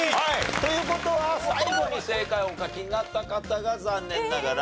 という事は最後に正解をお書きになった方が残念ながら脱落と。